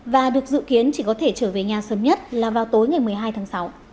và được dự kiến chỉ có thể trở về nhà sớm nhất là vào tối ngày một mươi hai tháng sáu